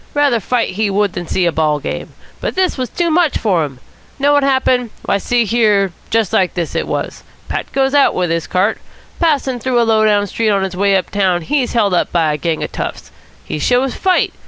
Rather fight he would than see a ball game. But this was too much for him. Know what happened? Why, see here, just like this it was. Pat goes out with his cart. Passing through a low down street on his way up town he's held up by a bunch of toughs. He shows fight.